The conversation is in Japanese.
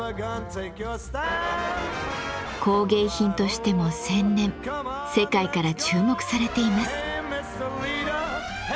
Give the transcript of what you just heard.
工芸品としても洗練世界から注目されています。